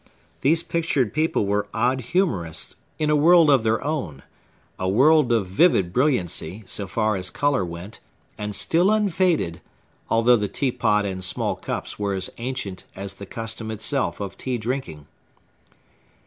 These pictured people were odd humorists, in a world of their own,—a world of vivid brilliancy, so far as color went, and still unfaded, although the teapot and small cups were as ancient as the custom itself of tea drinking.